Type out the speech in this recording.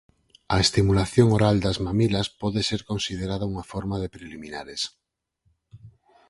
A estimulación oral das mamilas pode ser considerada unha forma de preliminares.